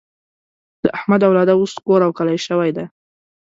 د احمد اولاده اوس کور او کلی شوې ده.